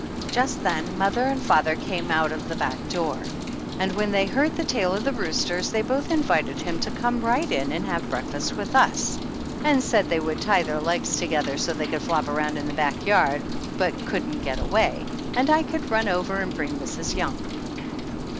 Just then mother and father came out of the back door, and when they heard the tale of the roosters they both invited him to come right in and have breakfast with us, and said they would tie their legs together so they could flop around the back yard, but couldn't 78 THE ANNALS OF ANN get away, and I could run over and bring Mrs. Young.